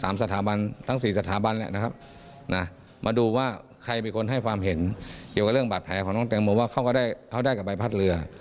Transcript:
มาดูว่าใครมีคนให้ความเห็นเกี่ยวกับเรื่องบาดแผลของน้องแตงโมว่าเข้าได้กับใบพัดเรือ